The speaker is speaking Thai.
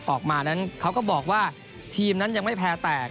ออกมานั้นเขาก็บอกว่าทีมนั้นยังไม่แพ้แตก